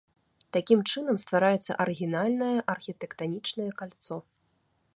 Такім чынам ствараецца арыгінальнае архітэктанічнае кальцо.